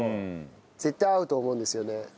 絶対合うと思うんですよね。